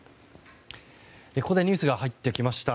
ここでニュースが入ってきました。